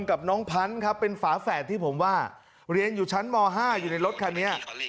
กับน้องพันธุ์ครับเป็นฝาแฝดที่ผมว่าเรียนอยู่ชั้นม๕อยู่ในรถคันนี้